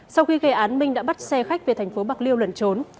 sau khi gây án minh đã bắt xe khách về tp bạc liêu lẩn trốn